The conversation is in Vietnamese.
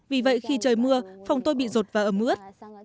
vì vậy khi trời mưa phòng tôi bị rột và ẩm ướt